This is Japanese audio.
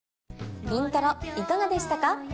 『イントロ』いかがでしたか？